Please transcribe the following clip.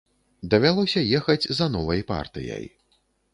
Давялося ехаць за новай партыяй.